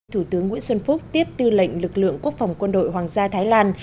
thủ tướng nguyễn xuân phúc tiếp tư lệnh lực lượng quốc phòng quân đội hoàng gia thái lan